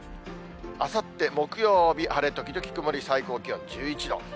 あさって木曜日、晴れ時々曇り、最高気温１１度。